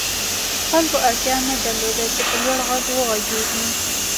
خلکو اړتیا نه درلوده چې په لوړ غږ وغږېږي